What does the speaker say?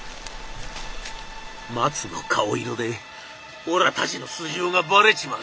マツの顔色でおらたちの素性がバレちまう！」。